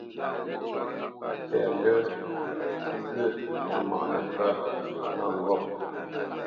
Á fê lə́ ŋgwə mə mâʼnə̌ pə̂ mə́ŋgôp.